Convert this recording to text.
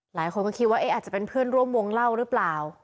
หลายคนก็คิดว่าอาจจะเป็นเพื่อนร่วมวงเล่าหรือเปล่า